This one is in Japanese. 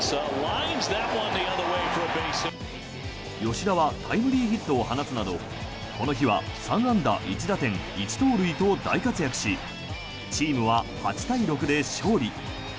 吉田はタイムリーヒットを放つなどこの日は３安打１打点１盗塁と大活躍しチームは８対６で勝利。